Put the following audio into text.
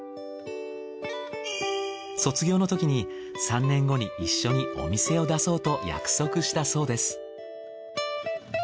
卒業の時に３年後に一緒にお店を出そうと約束したそうです。